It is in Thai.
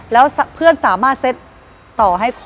แล้วเพื่อนสามารถเซ็ตต่อให้